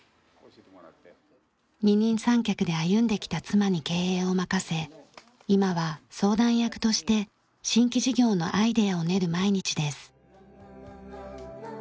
二人三脚で歩んできた妻に経営を任せ今は相談役として新規事業のアイデアを練る毎日です。